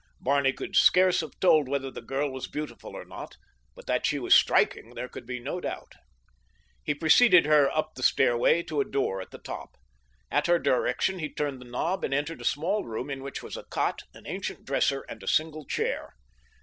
Barney could scarce have told whether the girl was beautiful or not, but that she was striking there could be no doubt. He preceded her up the stairway to a door at the top. At her direction he turned the knob and entered a small room in which was a cot, an ancient dresser and a single chair.